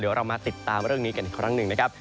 เดี๋ยวเรามาติดตามเรื่องนี้กันอีกครั้งหนึ่งนะครับ